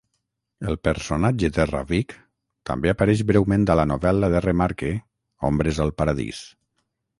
El personatge de Ravic també apareix breument a la novel·la de Remarque "Ombres al paradís".